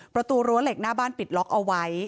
ประตูรั้วเหล็กหน้าบ้านปิดล็อกเอาไว้